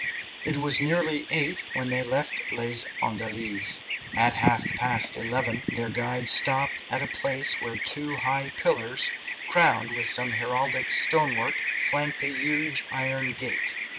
It was nearly eight when they left Les Andelys. At half past eleven their guide stopped at a place where two high pillars, crowned with some heraldic stonework, flanked a huge iron gate.